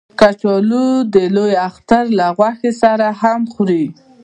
کچالو د لوی اختر له غوښې سره هم خوري